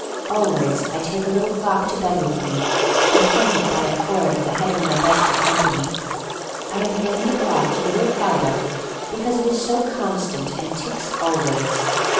Always I take a little clock to bed with me and hang it by a cord at the head of my bed for company. I have named the clock Little Fido, because it is so constant and ticks always.